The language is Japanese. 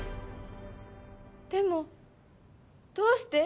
でもどうして？